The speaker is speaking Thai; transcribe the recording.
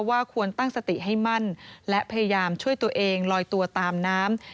ว่าควรตั้งสติให้มั่นและพยายามช่วยตัวเองลอยตัวตามน้ำ